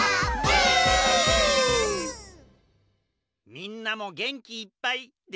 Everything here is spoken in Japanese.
みんなもげんきいっぱいできたかな？